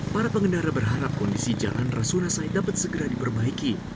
para pengendara berharap kondisi jalan rasunasai dapat segera diperbaiki